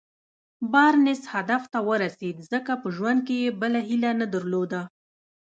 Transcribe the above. بارنس هدف ته ورسېد ځکه په ژوند کې يې بله هيله نه درلوده.